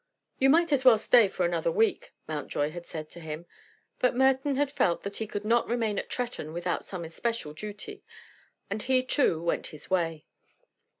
"You might as well stay for another week," Mountjoy had said to him. But Merton had felt that he could not remain at Tretton without some especial duty, and he too went his way.